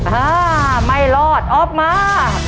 อ่าไม่รอดออกมา